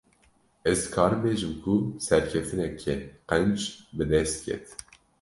Ez dikarim bêjim ku serkeftineke qenc, bi dest ket